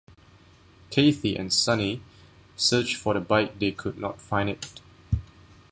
Cathy and Sunny search for the bike they could not find it.